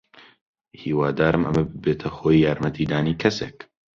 هیوادارم ئەمە ببێتە هۆی یارمەتیدانی کەسێک.